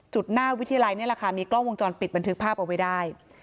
หน้าวิทยาลัยนี่แหละค่ะมีกล้องวงจรปิดบันทึกภาพเอาไว้ได้